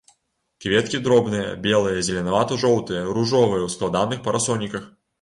Кветкі дробныя, белыя, зеленавата-жоўтыя, ружовыя, у складаных парасоніках.